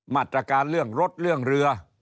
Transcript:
มาตรการเรื่องรถเรื่องเรือ